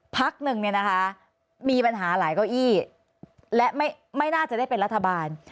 พักหนึ่งเนี่ยนะคะมีปัญหาหลายเก้าอี้และไม่น่าจะได้เป็นรัฐบาล